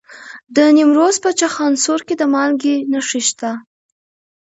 د نیمروز په چخانسور کې د مالګې نښې شته.